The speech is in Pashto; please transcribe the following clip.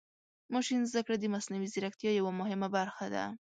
ماشین زده کړه د مصنوعي ځیرکتیا یوه مهمه برخه ده.